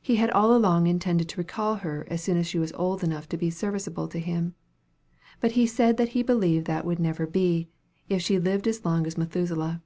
He had all along intended to recall her as soon as she was old enough to be serviceable to him. But he said he believed that would never be, if she lived as long as Methuselah.